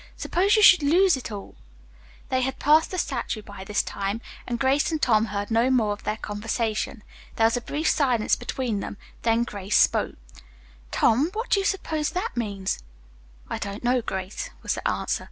Suppose you should lose it all " They had passed the statue by this time, and Grace and Tom heard no more of their conversation. There was a brief silence between them, then Grace spoke. "Tom, what do you suppose that means?" "I don't know, Grace," was the answer.